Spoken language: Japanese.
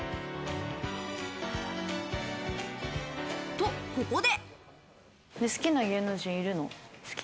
と、ここで。